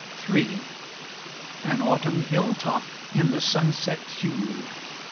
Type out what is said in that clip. Ill An autumn hilltop in the sunset hue.